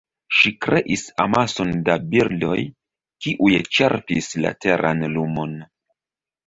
Ŝi kreis amason da bildoj, kiuj ĉerpis la teran lumon.